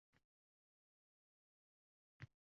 Men ularga tashviqot qilmasam.